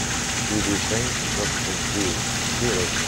I dissenys responsius… què era això?